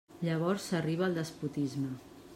Llavors s'arriba al despotisme.